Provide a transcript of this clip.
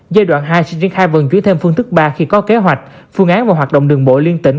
giai đoạn hai sẽ triển khai vận chuyển thêm phương thức ba khi có kế hoạch phương án và hoạt động đường bộ liên tỉnh